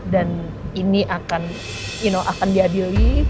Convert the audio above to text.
dan ini akan you know akan diadili